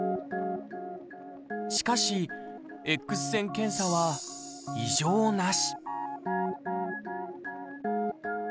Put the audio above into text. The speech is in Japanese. しかし、Ｘ線検査は異常なし。